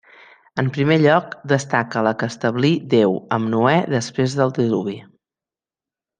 En primer lloc destaca la que establí Déu amb Noè després del diluvi.